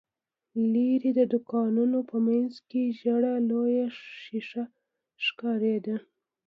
ليرې، د دوکانونو په مينځ کې ژېړه لويه ښيښه ښکارېدله.